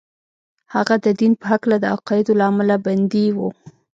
هغه د دين په هکله د عقايدو له امله بندي و.